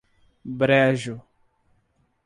Brejo